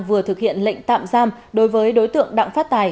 vừa thực hiện lệnh tạm giam đối với đối tượng đặng phát tài